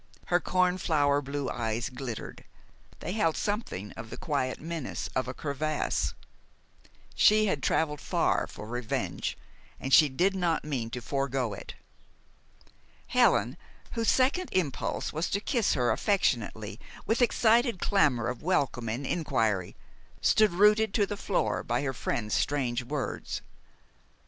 Her cornflower blue eyes glittered. They held something of the quiet menace of a crevasse. She had traveled far for revenge, and she did not mean to forego it. Helen, whose second impulse was to kiss her affectionately, with excited clamor of welcome and inquiry, stood rooted to the floor by her friend's strange words.